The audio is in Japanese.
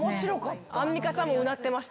アンミカさんもうなってました。